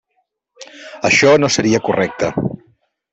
Això no seria correcte.